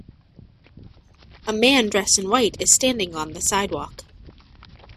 A man dressed in white is standing on the sidewalk.